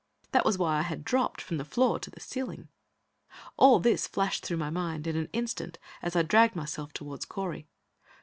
That was why I had dropped from the floor to the ceiling. All this flashed through my mind in an instant as I dragged myself toward Correy.